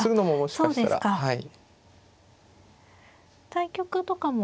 対局とかも。